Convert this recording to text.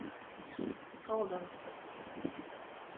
Koldons.